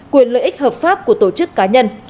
quyền lợi ích hợp pháp của tổ chức cá nhân